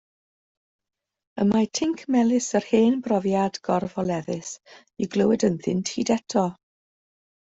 Y mae tinc melys yr hen brofiad gorfoleddus i'w glywed ynddynt hyd eto.